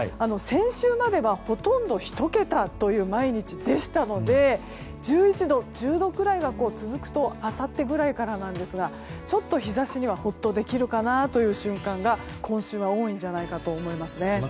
先週までは、ほとんど１桁という毎日でしたので１１度、１０度ぐらいが続くとあさってぐらいからですがちょっと日差しにホッとできるかなという瞬間が今週は多いんじゃないかと思います。